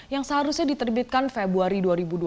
yang seharusnya diterbitkan februari dua ribu dua puluh